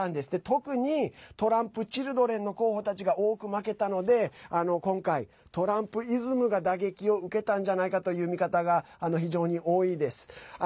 特にトランプチルドレンの候補たちが多く負けたので今回、トランプイズムが打撃を受けたんじゃないかという見方が非常に多いです。